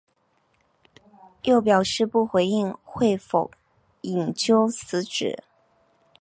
又表示不回应会否引咎辞职。